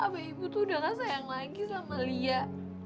apa ibu tuh udah gak sayang lagi sama lia